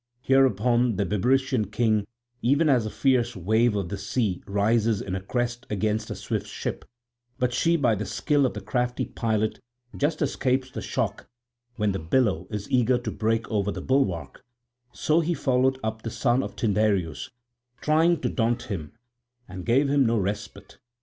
Hereupon the Bebrycian king even as a fierce wave of the sea rises in a crest against a swift ship, but she by the skill of the crafty pilot just escapes the shock when the billow is eager to break over the bulwark—so he followed up the son of Tyndareus, trying to daunt him, and gave him no respite.